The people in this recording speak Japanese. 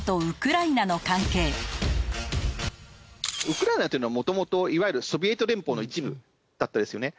ウクライナっていうのは元々いわゆるソビエト連邦の一部だったんですよね。